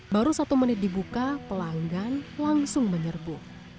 baru satu menit dibuka pelanggan langsung menyerbu